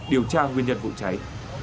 điều tra nguyên nhân vụ cháy